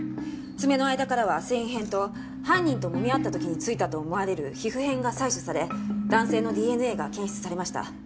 爪の間からは繊維片と犯人と揉み合った時についたと思われる皮膚片が採取され男性のＤＮＡが検出されました。